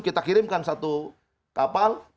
kita kirimkan satu kapal